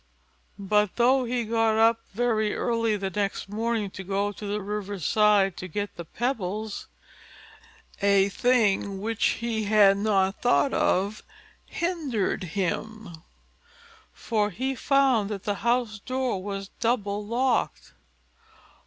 But though he got up very early the next morning to go to the river's side to get the pebbles, a thing which he had not thought of hindered him; for he found that the house door was double locked.